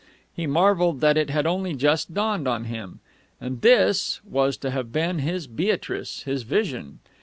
He marvelled that it had only just dawned upon him. And this was to have been his Beatrice, his vision!